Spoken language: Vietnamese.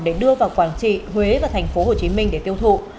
để đưa vào quảng trị huế và tp hcm để tiêu thụ